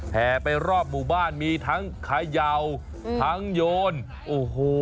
แห่ไปรอบหมู่บ้านมีทั้งเขย่าทั้งโยนโอ้โห